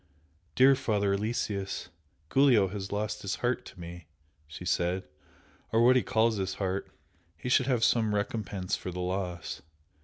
"Dear Father Aloysius, Giulio has lost his heart to me!" she said "Or what he calls his heart! He should have some recompense for the loss!